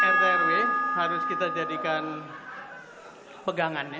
rtw harus kita jadikan pegangan